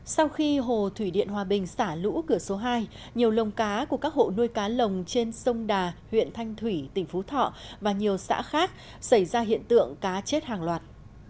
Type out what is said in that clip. sau khi hồ thủy điện hòa bình xả lũ cửa số hai nhiều lồng cá của các hộ nuôi cá lồng trên sông đà huyện thanh thủy tỉnh phú thọ và nhiều xã khác xảy ra hiện tượng cá chết hàng loạt